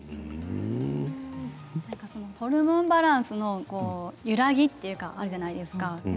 ホルモンバランスのゆらぎというかあるじゃないですか。